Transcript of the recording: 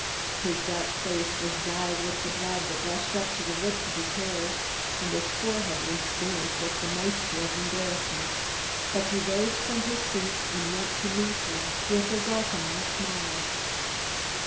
His dark face was dyed with the blood that rushed to the roots of his hair, and his forehead was damp with the moisture of embarrassment, but he rose from his seat and went to meet her with a welcoming smile.